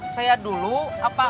saya dulu apa